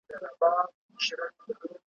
جهاني`